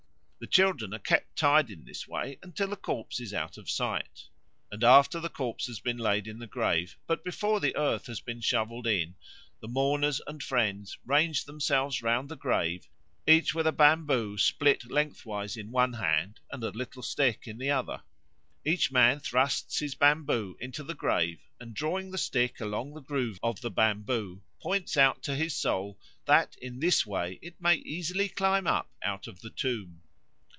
The children are kept tied in this way until the corpse is out of sight. And after the corpse has been laid in the grave, but before the earth has been shovelled in, the mourners and friends range themselves round the grave, each with a bamboo split lengthwise in one hand and a little stick in the other; each man thrusts his bamboo into the grave, and drawing the stick along the groove of the bamboo points out to his soul that in this way it may easily climb up out of the tomb.